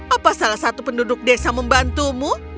apa salah satu penduduk desa membantumu